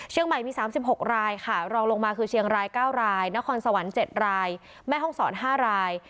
ใหม่มี๓๖รายค่ะรองลงมาคือเชียงราย๙รายนครสวรรค์๗รายแม่ห้องศร๕ราย